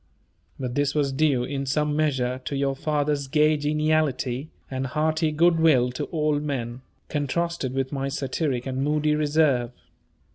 But this was due, in some measure, to your father's gay geniality, and hearty good will to all men, contrasted with my satiric and moody reserve.